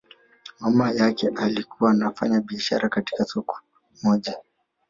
Mama yake alikuwa anafanya biashara katika soko moja